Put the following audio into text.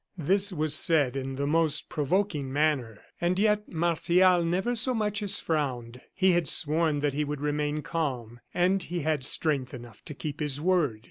This was said in the most provoking manner, and yet Martial never so much as frowned. He had sworn that he would remain calm, and he had strength enough to keep his word.